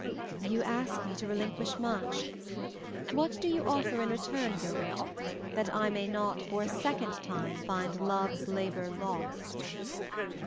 "You ask me to relinquish much. What do you offer in return, Gilbert, that I may not for a second time find love's labor lost?"